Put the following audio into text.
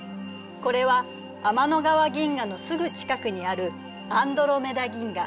これは天の川銀河のすぐ近くにあるアンドロメダ銀河。